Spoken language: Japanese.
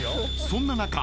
［そんな中］